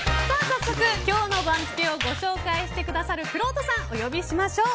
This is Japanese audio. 早速今日の番付をご紹介してくださるくろうとさんお呼びしましょう。